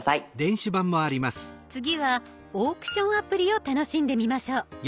次はオークションアプリを楽しんでみましょう。